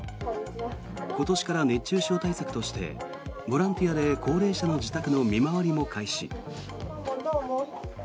今年から熱中症対策としてボランティアで高齢者の自宅の見回りも開始。